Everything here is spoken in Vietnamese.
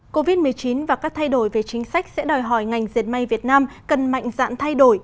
covid một mươi chín và các thay đổi về chính sách sẽ đòi hỏi ngành diệt may việt nam cần mạnh dạn thay đổi